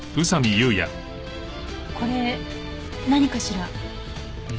これ何かしら？